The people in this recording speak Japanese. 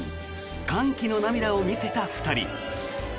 歓喜の涙を見せた２人。